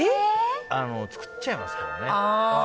作っちゃいますからね。